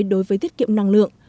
đối với tiết kiệm năng lượng